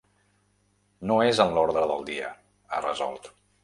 No és en l’ordre del dia, ha resolt.